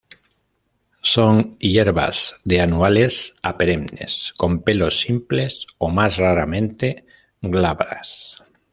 Son hierbas de anuales a perennes, con pelos simples o más raramente glabras.